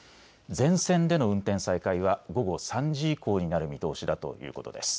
全線での運転再開は午後３時以降になる見通しだということです。